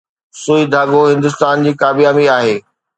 ’سوئي ڌاڳو‘ هندستان جي ڪاميابي آهي